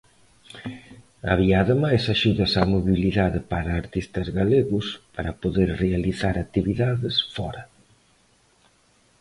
Había ademais axudas á mobilidade para artistas galegos, para poder realizar actividades fóra.